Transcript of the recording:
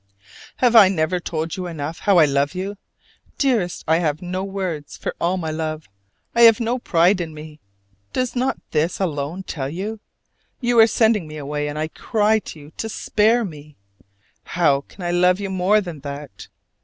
Have I never told you enough how I love you? Dearest, I have no words for all my love: I have no pride in me. Does not this alone tell you? You are sending me away, and I cry to you to spare me. Can I love you more than that?